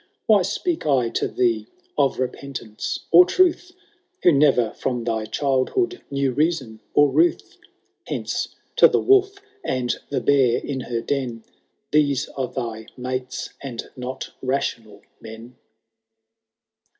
Why speak I to thee of repentance or truth, Who ne^er from thy childhood knew reason or ruth ? Hence ! to the wolf and the bear in her den ; These are thy mates, and not rational men.